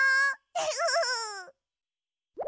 フフフ。